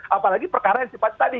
apalagi perkara yang si pak tadi